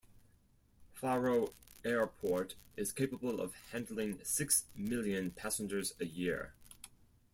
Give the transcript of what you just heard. Faro Airport is capable of handling six million passengers a year.